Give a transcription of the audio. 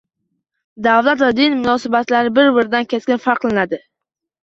Davlat va din munosabatlari bir-biridan keskin farqlanadi